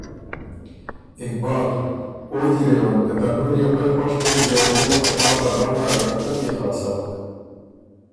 اقبال: او جیرېون! که ته نُور يې خوئ خوش بُک، بيې وه بو ته خوار بدل نر ا ځرکۀ کيې خلاصوک؟